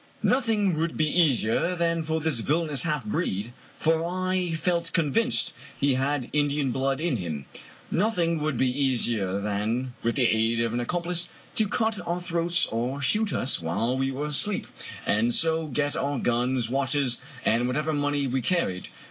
Nothing would be easier than for this villainous half breed — for I felt convinced he had Indian blood in him — nothing would be easier than, with the aid of an accomplice, to cut our throats or shoot us while we were asleep, and so get our guns, watches, and whatever money we carried.